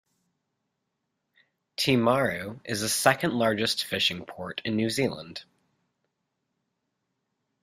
Timaru is the second largest fishing port in New Zealand.